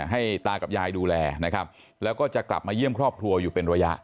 ให้ตากับยายดูแลนะครับแล้วก็จะกลับมาเยี่ยมครอบครัวอยู่เป็นระยะ